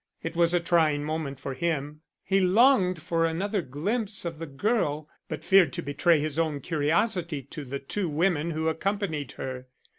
It was a trying moment for him. He longed for another glimpse of the girl, but feared to betray his own curiosity to the two women who accompanied her.